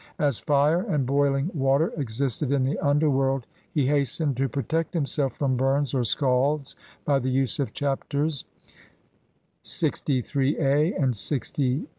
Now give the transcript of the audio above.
As fire and boiling water existed in the underworld he hastened to protect himself from burns or scalds by the use of Chapters LXIIIa and LXIIIb.